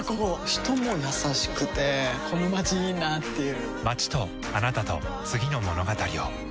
人も優しくてこのまちいいなぁっていう